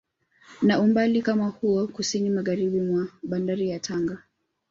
Na umbali kama huo kusini Magharibi mwa bandari ya Tanga